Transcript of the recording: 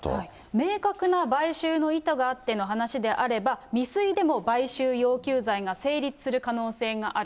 明確な買収の意図があっての話であれば、未遂でも買収要求罪が成立する可能性がある。